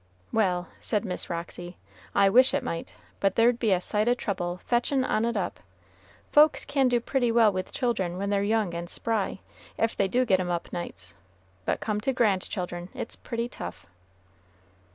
"Well," said Miss Roxy, "I wish it might, but there'd be a sight o' trouble fetchin' on it up. Folks can do pretty well with children when they're young and spry, if they do get 'em up nights; but come to grandchildren, it's pretty tough."